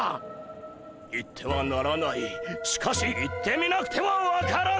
行ってはならないしかし行ってみなくては分からない。